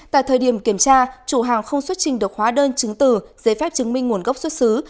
tại thời điểm kiểm tra chủ hàng không xuất trình được hóa đơn chứng từ giấy phép chứng minh nguồn gốc xuất xứ